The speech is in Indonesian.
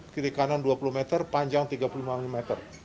kiri kanan dua puluh meter panjang tiga puluh lima meter